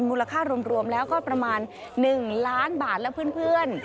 มูลค่ารวมแล้วก็ประมาณ๑ล้านบาทและเพื่อน